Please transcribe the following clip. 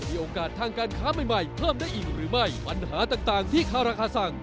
เอามาใช้ไม่เกี่ยวเอาใช้ไม่แรง